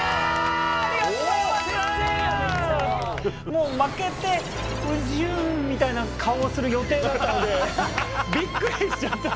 もう負けてウジュンみたいな顔をする予定だったんでびっくりしちゃって本当に。